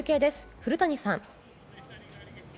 古谷さん。